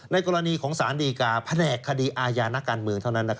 กรณีของสารดีกาแผนกคดีอาญานักการเมืองเท่านั้น